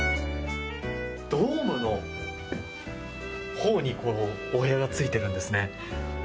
ドームのほうにお部屋がついているんですね。